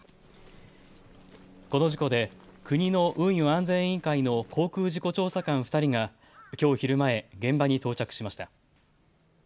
この事故で国の運輸安全委員会の航空事故調査官２人がきょう昼前、現場に到着しました。